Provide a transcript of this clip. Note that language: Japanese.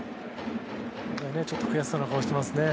ちょっと悔しそうな顔してますね。